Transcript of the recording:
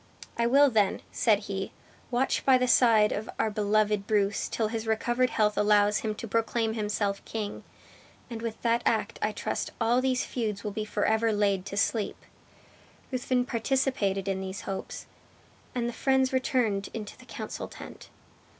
"I will then," said he, "watch by the side of our beloved Bruce till his recovered health allows him to proclaim himself king; and with that act I trust all these feuds will be forever laid to sleep!" Ruthven participated in these hopes, and the friends returned into the council tent.